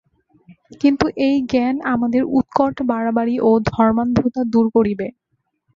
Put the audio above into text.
কিন্তু এই জ্ঞান আমাদের উৎকট বাড়াবাড়ি ও ধর্মান্ধতা দূর করিবে।